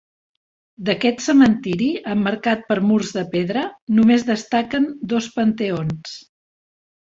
D'aquest cementiri, emmarcat per murs de pedra, només destaquen dos panteons.